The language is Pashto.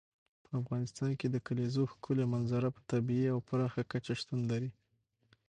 په افغانستان کې د کلیزو ښکلې منظره په طبیعي او پراخه کچه شتون لري.